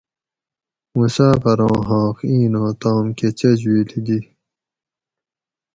مسافراں حاق اینوں تام کہ چچ ویلی دی